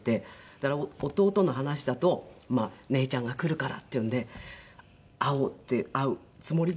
だから弟の話だと姉ちゃんが来るからっていうので会うつもりでずっと。